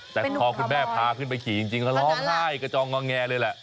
แต่พอคุณแม่พาขึ้นไปขี่จริงก็ร้องไห้กระจองงองแงเลยแหละ